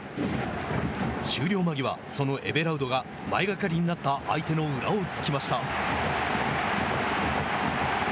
終了間際そのエヴェラウドが前掛かりになった相手の裏をつきました。